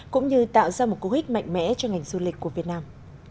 cũng như tạo ra một cố hích mạnh mẽ cho ngành du lịch của việt nam